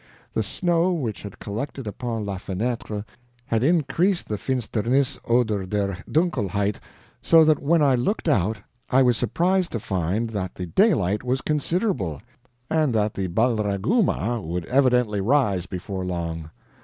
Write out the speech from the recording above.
The snow which had collected upon LA FÊNTRE had increased the FINSTERNISS ODER DER DUNKELHEIT, so that when I looked out I was surprised to find that the daylight was considerable, and that the BALRAGOOMAH would evidently rise before long.